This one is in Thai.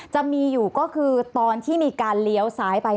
จะมีอยู่ก็คือตอนที่มีการเลี้ยวซ้ายไป